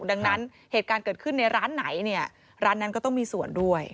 ดังนั้นเหตุการณ์เกิดขึ้นในร้านไหนเนี่ยร้านนั้นก็ต้องมีส่วนด้วย